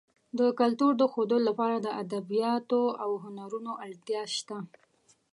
د کلتور د ښودلو لپاره د ادبیاتو او هنرونو اړتیا شته.